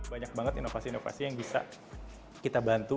banyak banget inovasi inovasi yang bisa kita bantu